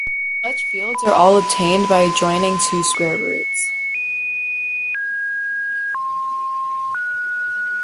Such fields are all obtained by adjoining two square roots.